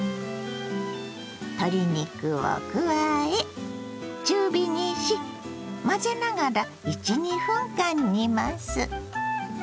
鶏肉を加え中火にし混ぜながら１２分間煮ます。